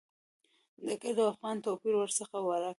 د کرد او افغان توپیر ورڅخه ورک وي.